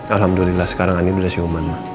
alhamdulillah sekarang andin udah siuman ma